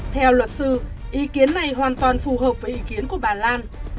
theo luật sư ý kiến này hoàn toàn phù hợp với ý kiến của bà lan